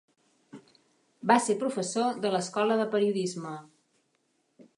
Va ser professor de l'Escola de Periodisme.